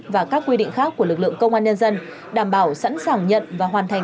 và các quy định khác của lực lượng công an nhân dân đảm bảo sẵn sàng nhận và hoàn thành